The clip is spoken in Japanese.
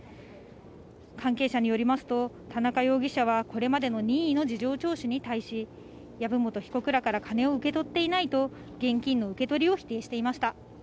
関係者によりますと、田中容疑者はこれまでの任意の事情聴取に対し、籔本被告らから金を受け取っていないと、現金の受け取りを否定していました。